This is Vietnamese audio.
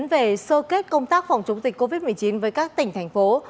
về sơ kết công tác phòng chống dịch covid một mươi chín với các tỉnh thành phố